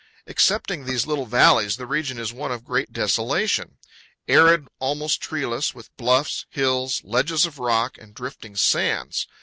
Excepting these little valleys, the region is one of great desolation: arid, almost treeless, with bluffs, hills, ledges of rock, and drifting sands.